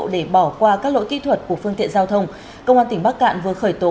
để bỏ qua các lỗi kỹ thuật của phương tiện giao thông công an tỉnh bắc cạn vừa khởi tố